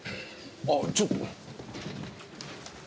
あっちょっと。